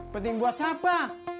penting buat siapa